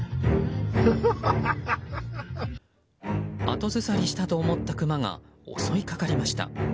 後ずさりしたと思ったクマが襲いかかりました。